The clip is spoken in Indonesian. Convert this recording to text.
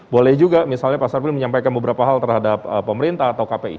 boleh juga misalnya pak sarpri menyampaikan beberapa hal terhadap pemerintah atau kpi